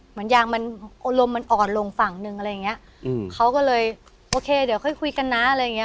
เหมือนยางมันอารมณ์มันอ่อนลงฝั่งหนึ่งอะไรอย่างเงี้ยอืมเขาก็เลยโอเคเดี๋ยวค่อยคุยกันนะอะไรอย่างเงี้